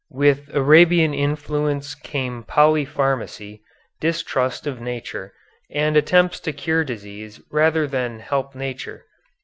With Arabian influence came polypharmacy, distrust of nature, and attempts to cure disease rather than help nature.